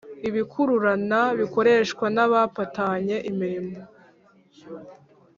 ibikurururana bikoreshwa na bapatanye imirimo